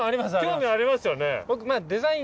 興味ありますよね？